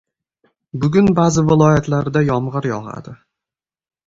Bugun ba’zi viloyatlarda yomg‘ir yog‘adi